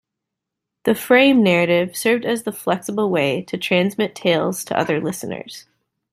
The frame narrative served as the flexible way to transmit tales to other listeners.